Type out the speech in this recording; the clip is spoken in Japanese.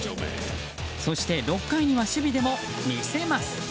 そして６回には守備でも魅せます。